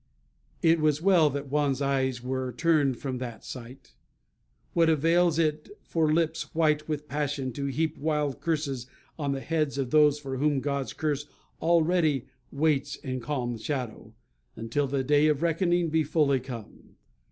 It was well that Juan's eyes were turned from that sight. What avails it for lips white with passion to heap wild curses on the heads of those for whom God's curse already "waits in calm shadow," until the day of reckoning be fully come?